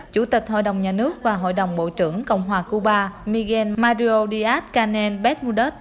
chủ tịch hội đồng nhà nước và hội đồng bộ trưởng cộng hòa cuba miguel mario díaz canel béb mundet